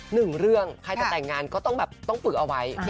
หนึ่งเรื่องใครจะแต่งงานก็ต้องแบบต้องฝึกเอาไว้